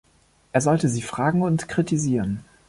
Er sollte sie fragen und kritisieren.